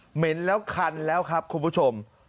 เห็นแล้วคันแล้วครับคุณผู้ชม